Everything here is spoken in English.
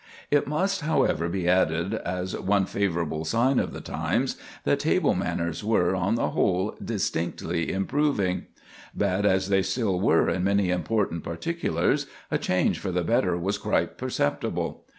It must, however, be added, as one favorable sign of the times, that table manners were, on the whole, distinctly improving. Bad as they still were in many important particulars, a change for the better was quite perceptible.